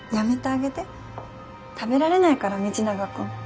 食べられないから道永君。